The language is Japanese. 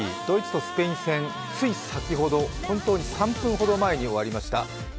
スペインとドイツの対戦、つい先ほど、本当に３分ほど前に終わりました。